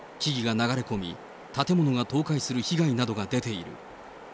木々が流れ込み、建物が倒壊する被害などが出ている。